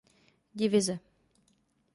Divize.